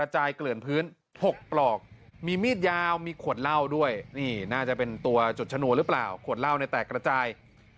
หรือเปล่าขวดเหล้าในแตกกระจาย